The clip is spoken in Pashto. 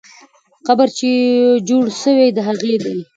قبر چې جوړ سوی، د هغې دی.